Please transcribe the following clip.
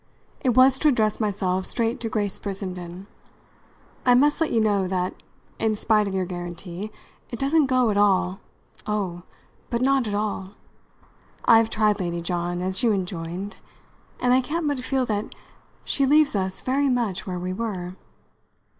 It was to address myself straight to Grace Brissenden. "I must let you know that, in spite of your guarantee, it doesn't go at all oh, but not at all! I've tried Lady John, as you enjoined, and I can't but feel that she leaves us very much where we were."